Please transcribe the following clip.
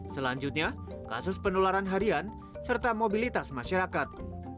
selanjutnya kasus penularan harian serta mobilitas masyarakat